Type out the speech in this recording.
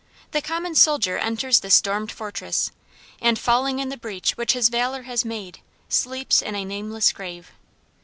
The common soldier enters the stormed fortress and, falling in the breach which his valor has made, sleeps in a nameless grave.